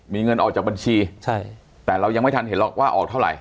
มีเงินออกจากบัญชีใช่แต่เรายังไม่ทันเห็นหรอกว่าออกเท่าไหร